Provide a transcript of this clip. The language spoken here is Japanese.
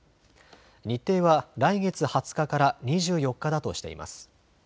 日程は来月２０日から２４日だとしています。